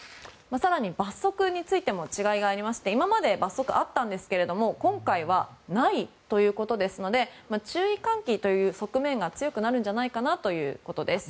更に罰則についても違いがありまして今まで罰則あったんですが今回はないということですので注意喚起という側面が強くなるんじゃないかということです。